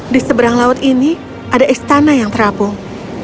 di seberang laut ini ada istana yang terapung